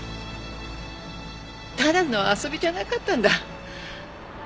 ただの遊びじゃなかったんだ。